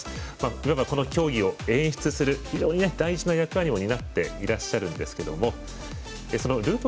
いわば、この競技を演出する大事な役割を担っていらっしゃるんですけどルート